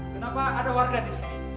kenapa ada warga disini